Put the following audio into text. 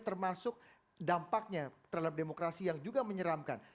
termasuk dampaknya terhadap demokrasi yang juga menyeramkan